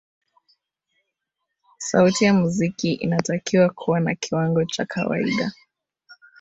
sauti ya muziki inatakiwa kuwa na kiwango cha kawaida